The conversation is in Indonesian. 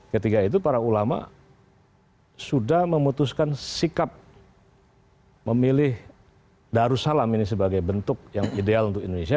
ketika itu para ulama sudah memutuskan sikap memilih darussalam ini sebagai bentuk yang ideal untuk indonesia